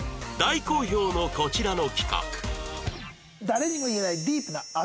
大好評のこちらの企画